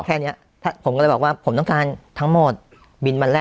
แค่เนี้ยผมก็เลยบอกว่าผมต้องการทั้งหมดบินวันแรก